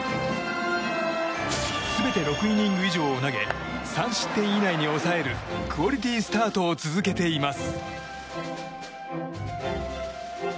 全て６イニング以上を投げ３失点以内に抑えるクオリティスタートを続けています。